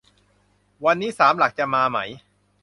วันนี้ สามหลักจะมาไหม